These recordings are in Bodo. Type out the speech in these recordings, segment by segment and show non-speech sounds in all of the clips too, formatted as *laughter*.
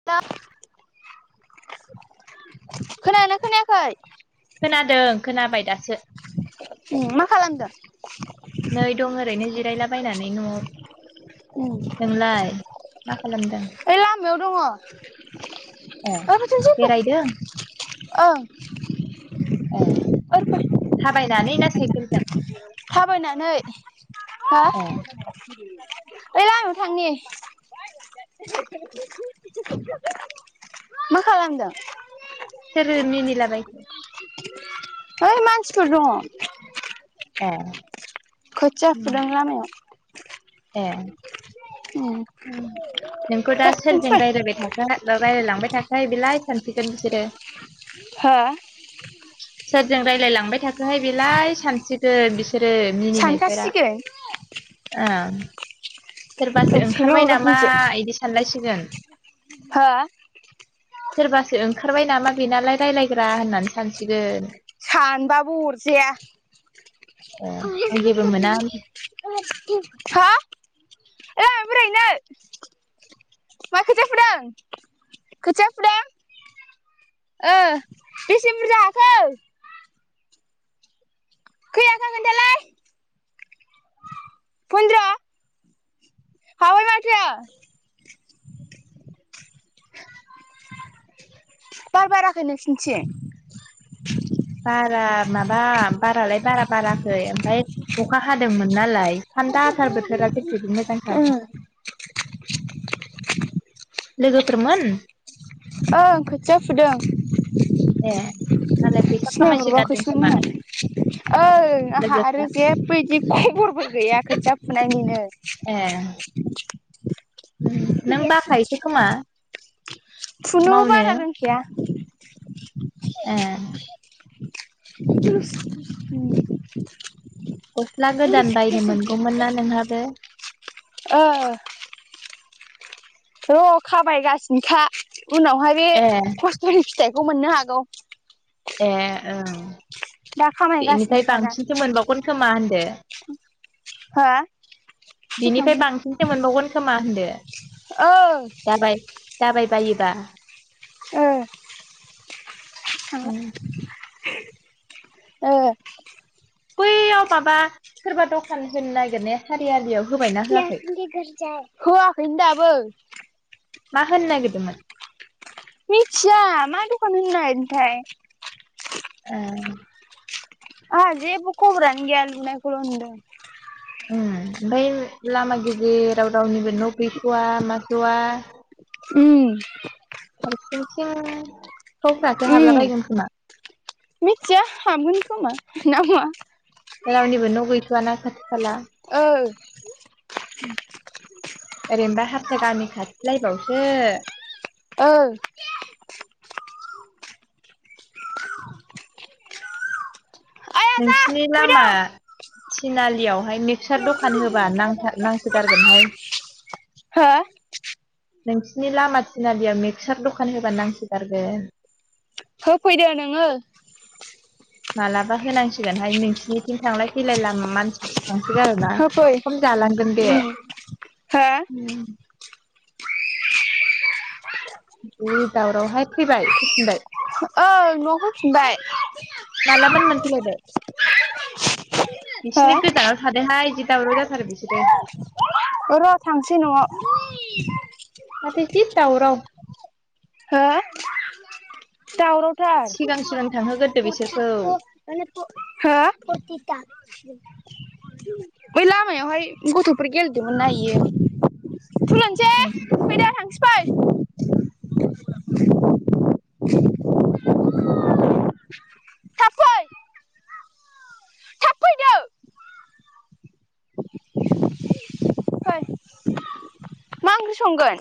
*unintelligible* खोनायोना खोनायाखै खोनादों खोनाबाय दासो अम मा खालामदों नै दं ओरैनो जिरायलाबायनानै न'आव नोंलाय मा खालामदों ओइ लामायाव दङ ओं ए बेरायदों ए ओरै थाबायनानै ना साइखेलजों थाबायनानै हो ए ओइ लामायाव नोंथांनि मा खालामदों सोरो मिनिलाबाय ओइ मानसिफोर दं ए खोथिया उम, फुदों लामायाव उम ए नोंखौ दा फै थिंथिं सोरजों फै रायलायबाय था रायलायलांबाय थाखायो बेलाय सानसिगोन बिसोरो हो सोरजों रायलाय लांबाय थाखोहाय बेलाय सानसिगोन बि सोरो मिनिनायफोरा सानखासिगोन सोरबासो सैमा ओंखारबाय अरगोन नामा खोनसे इदि सानलायसिगोन। हो सोरबासो ओंखारबाय नामा बेनालाय रायलायग्रा होननानै सानसिगोन। सानबाबो ओ अरजाया आं जेबो मोना हो एलाय बेरायहैनो मा खोथियाफुदों खोथिया फुदों ओ बेसे बुरजा हाखो खै हाखो खोन्थालाय *inaudible* फन्द्र हाबाय माथो *inaudible* बार बाराखै नोंसिनिथिं बारा माबा बारालाय बारा बाराखै ओमफफ्राय अखा हादोंमोन नालाय। थान्दा आसथार बोथोरा जेबेदि मोजांथार। लोगोफोरमोन। ओं खोथिया फुदों। ए नोंहालाय। सिनायहरबाखैसोमोन आ ओइ आंहा लोगोफ्रा आरो जे बे खबरबो गैया खोथिया फुनायनिनो ए नों बाखायोसो खोमा फुनोबो मावनो बारा रोंखैया। ए *unintelligible* गस्ला गोदान बायनो मोनगौमोन ना नोंहाबो। ओं र' खाबायगासिनोखा उनावहाय बे ए खस्थ'नि फिथाइखौ मोननो हागौ। ए ओं दा बेनिफ्राय खामायगासिनोखाना बांसिनसो मोनबावगोन खोमा होनदो हा? बिनिफ्राय बांसिनसो मोनबावगोन खोमा होनदों। ओ जाबाय जाबाय बायोबा। ओं उम *unintelligible* ओ बैयाव माबा सोरबा दखान होनो नागिर ने सारियलियाव *unintelligible* होआखैनो दाबो। मा होनो नागिरदोंमोन? मिथिया मा दखान होनो नागेरदोंथाय। ए आंहा जेबो खबरानो गैया लुनायखौल नुदों। उम ओमफ्राय लामा गेजेर रावनिबो न' गैस'वा मासा उम हारसिं सिं सिखावफ्रासो हाबला बायगोन खोमा। मिथिया हाबोन खमा नामा। रावनिबो न' गैथ'आना खाथि खाला। ओ ओरैनोबा हारसा गामि खाथिलायबावसो। ओं *inaudible* *inaudible* नोंसिनि फैदो लामा थिनालियावहाय मिक्सार दखान होबा नांथार नां थार गोनहाय। हो? नोंसिनि लामा थिनालियाव मिक्सार दखान होबा नांसोगारगोन। होफैदो नोङो। मालाबा होनांसिगोनहाय नोंसोरनिथिं थांलाय फैलाय लामा मानसिफोर थांसै आरोना होफै खम जालांगोन बे हो उम। जि दावरावहाय फैबाय फैफिनबाय। ओ नाव फैफिनबाय मालाबानो मोनफैलायबाय *unintelligible* हो बिसिनि गोजानाव थादहाय जिदि दावराव जाथारो बिसोरो। र' थांसै न'आव। माथो जि दावराव। हो दावराव थार। सिगां सिगां थांहोगोरदो बिसोरखौ हो? बै लामायावहाय गथ'फोर गेलेदोंमोन ना इयो *unintelligible* उम। फैदो थांसै फै। *unintelligible* थाब फै *unintelligible* थाब फैदो फै। मा ओंख्रि संगोन?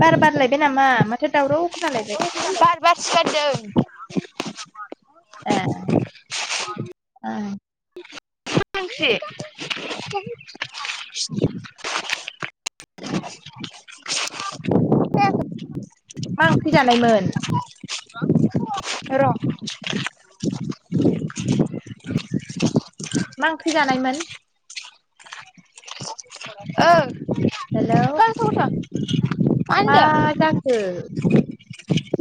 बार बार लायबाय नामा माथो दावराव खोना लायबाय। बार बारसोगारदों। ए ओं। मा ओंख्रि? मा ओंख्रि जानायमोन? म र' मा ओंख्रि जानायमोन? ओ। हेलौ। थौग्रोथों। मा जाखो?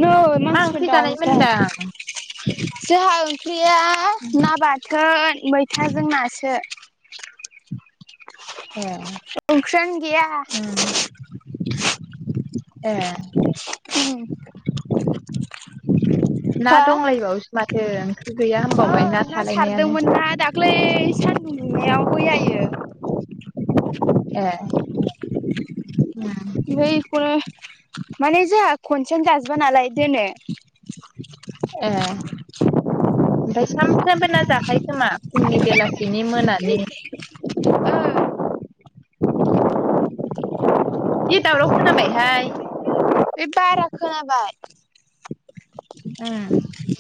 नो मा मानसिफोर ओंख्रि जानायमोन होनदां दावरावथार। जोंहा ओंख्रिया ना बाथोन मैथाजों नासो। ए ओंख्रियानो गैया। उम ए उम। ना हो? दंलायबावोसो माथो ओंख्रि गैया होनबावबाय ओं ना थालायनायानो सारदोंमोन ना दा ख्लि सान्दुं दुंनायाव मैयायो। ए उम *unintelligible* फाय इखौनो माने जोंहा खनसेनो जाजोबा नालाय दोनो। ए आमफाय सामफ्रामबो ना जाखायो खोमा। फुंनि बेलासिनि मोनानि। *unintelligible* जि दावराव खोनाबायहाय। बे बारा खोनाबाय। उम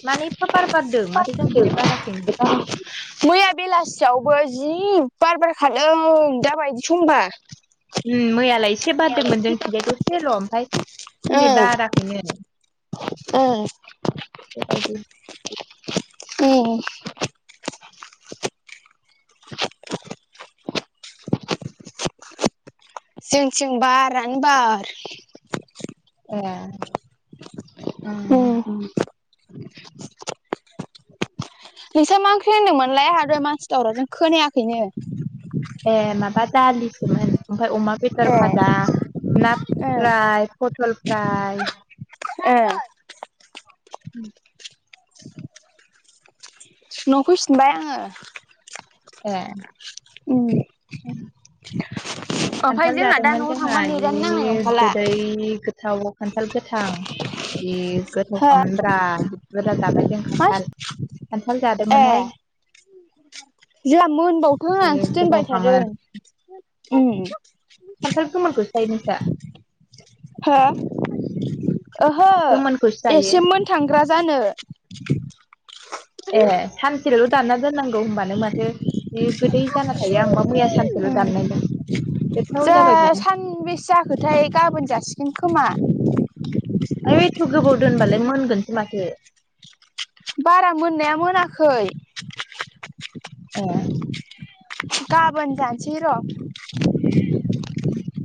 माने एफा बार फारदों माथो जोंखैलाय बाराखैनो। मैया बेलासियावबो जि बार बारखादों दाबायदि समबा। उम मैयालाय एसे बारदोंमोन जोंथिंजाय दसेल' ओमफाय ओ दिनै बाराखैनो। ओ। बेबायदि उम। जोंथिं बारानो बार। ए उम। नोंस्रा मा ओंख्रि होनदोंमोनलाय आंहा दहाय मानसि दावरावजों खोनायाखैनो। ए माबा दालिसोमोन। आमफाय अमा ओ बेदर भाजा ना ओ फ्राय, पथल फ्राय ए। उम। सिलं फैफिनबाय आङो। ए उम खान्थाल जोंना दा जादोंमोन न'आव थांबा जोंहा जि नेटानो नांनाय नंखाला गोदै गो थाव खान्थाल गोथां बे हो ए गोथावखामोन ब्रा जि बुरजा जाबाय जों खान्थाल खान्थाल जादोंमोनहाय जोहा मोनबावथो जि होननासो दोनबाय थादों गोथावखामोन उम खानथाल गोमोनखौसो जायो नोंस्रा हो ओहो गोमोनखौसो जायो एसे मोन थांग्रा जानो ए सानसेल' दानना दोननांगौ होमबानो माथो बे गोदै जाना थायो आंबा मैया सानसेल' दाननायमोन गोथाव जाबाय बेनो खोथाय गाबोन जासिगोन खोमा ओइ एथ' गोबाव दोनबालाय मोनगोनसो माथो बारा मोननाया मोनाखै ए गाबोन दानसै र' *inaudible*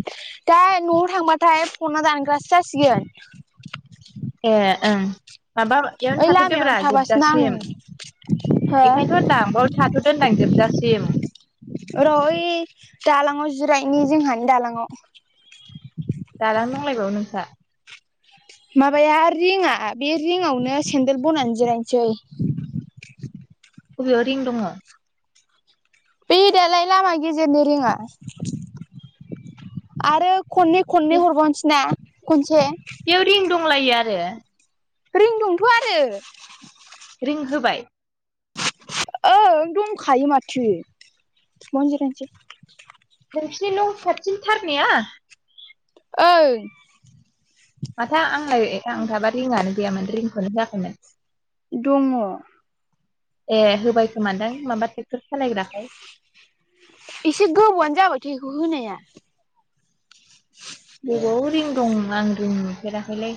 दा न'आव थांबाथाय फना दानग्रासो जासिगोन ए ओं माबा एयावनो ओइ लामायावनो थाथ'दोब्रा थाबासोना आङो जोबजासिम हो बेखायनोथ' होनदां बाव था दोनदां जोबजासिम र' ओइ दालाङाव जिरायनि जोंहानि दालाङाव दालां नांलायबावो नोंस्रा माबाया रिंआ बे रिंआवनो सेन्देल बनानै जिरायनोसै बबेयाव रिं दङ' बे दालाय लामा गेजेरनो रिङा आरो खननै खननै हरबावनोसै ना खनसे बेयाव रिं दंलायो आरो रिं दंथ' आरो रिं होबाय ओं दंखायो माथो बेयावनो जिरायसै नोंसिनि न' खाथि थारनिया ओं माथो आंलाय ए आंथाबा रिंआनो गैयामोन रिंखौनो होआखैमोन दङ' ए होबायखोमादों माबा ट्रेक्टर सालायग्राखाय एसे गोबौआनो जाबायथ' बेखौ होनाया बबाव रिं दं आं रिं नुफेराखैलै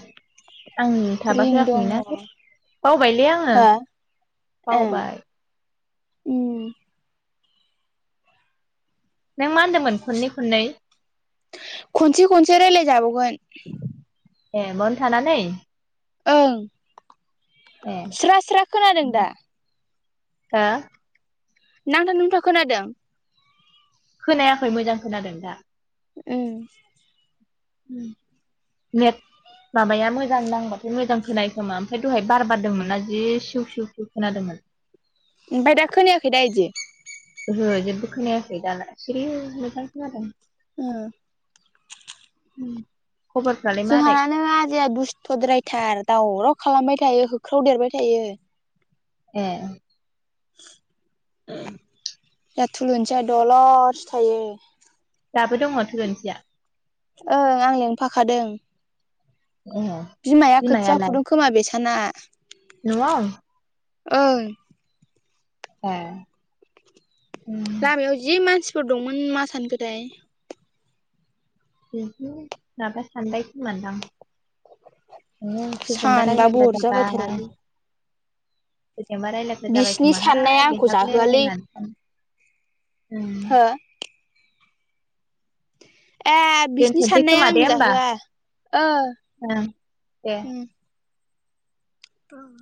आं थाबा रिं दङ होआखैना हो बावबायलै आङो ओं बावबाय उम नों मा होनदोंमोन खननै खननै खनसे खनसे रायलायजाबावगोन ए बावनो थानानै ओं ए स्रा स्रा खोनादों दा हा नांथा नुंथा खोनादों खोनायाखै मोजां खोनादों दा उम नेट माबाया मोजां नांबाथाय मोजां खोनायो खोमा ओमफ्राय दहाय बार बारदोंमोनना जि सिउ सिउ सिउ खोनादोंमोन। ओमफाय दा खोनायाखै दा इदि ओहो जेबो खोनायाखै दा सिरि मोथां खोनादों। ओ उम जोंहानानो आजाया दुस्थ'द्रायथार दावराव खालामबाय थायो होख्राव देरबाय थायो। ए जाह थुलुंनसिया दलरसो थायो। दाबो दङ थुलुनसिया ओं आं लिंफाखादों। ए बिमाया खोथिया बिमायालाय फुदों खोमा बेसाना। नआव? ओं ए उम लामायाव जि मानसिफोर दंमोन मा सानखोथाय। बिदि माबा सानबाय खोमादां। सोरजोंबा सानबाबो रायलायग्रा जाबाय अरजाबायथारालै सोरजोंबा रायलाय जाबाय बिसिनि खोमाहाय साननाया आंखौ बेहाबो जाहोआलै होननानै हो सानो। ए बिसनि दोनथ'नोसै साननाया खोमा दे आंनो होमबा जाहोआ ओ ओं दे उम। औ